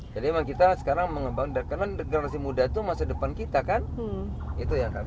jadi memang kita sekarang mengembangkan karena generasi muda itu masa depan kita kan